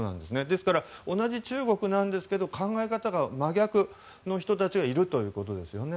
ですから、同じ中国なんですが考え方が真逆の人たちがいるということですね。